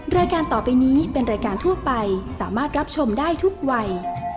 รายการต่อไปนี้เป็นรายการทั่วไปสามารถรับชมได้ทุกวัย